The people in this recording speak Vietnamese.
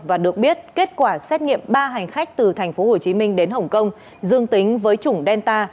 và được biết kết quả xét nghiệm ba hành khách từ tp hcm đến hồng kông dương tính với chủng delta